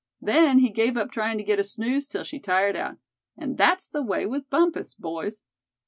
Then he gave up tryin' to get a snooze till she tired out. And that's the way with Bumpus, boys."